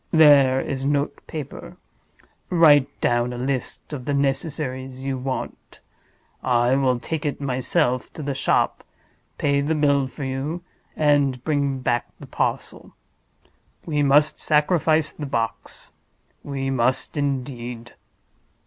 There is note paper. Write down a list of the necessaries you want. I will take it myself to the shop, pay the bill for you, and bring back the parcel. We must sacrifice the box—we must, indeed."